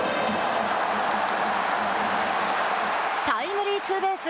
タイムリーツーベース。